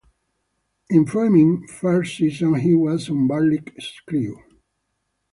In Froemming's first season, he was on Barlick's crew.